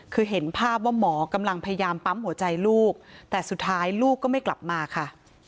คือเห็นภาพว่าหมอกำลังพยายามปั๊มหัวใจลูกแต่สุดท้ายลูกก็ไม่กลับมาค่ะ